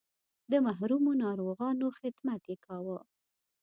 د محرومو ناروغانو خدمت یې کاوه.